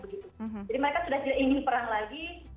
jadi mereka sudah tidak ingin perang lagi